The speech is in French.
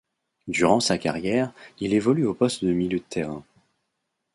Durant sa carrière, il évolue au poste de milieu de terrain.